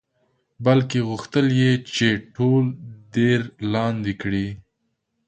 بلکې غوښتل یې چې ټول دیر لاندې کړي.